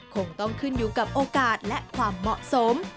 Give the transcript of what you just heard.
คงต้องขึ้นอยู่กับโอกาสและความเหมาะสม